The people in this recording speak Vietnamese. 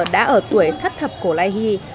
đã ở tuổi thất thập cổ lai hy